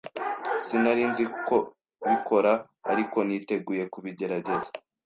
Sinari nzi kubikora, ariko niteguye kubigerageza